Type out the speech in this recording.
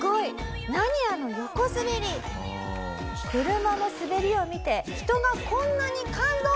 「車の滑りを見て人がこんなに感動してる」。